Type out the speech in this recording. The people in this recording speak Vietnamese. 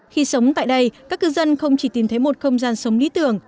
khi sống tại đây các cư dân không chỉ tìm thấy một không gian sống lý tưởng